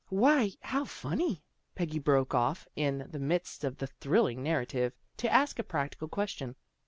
" Why, how funny," Peggy broke off in the midst of the thrilling narrative to ask a practi cal question.